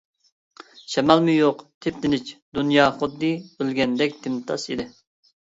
شامالمۇ يوق، تىپتىنچ، دۇنيا خۇددى ئۆلگەندەك تىمتاس ئىدى.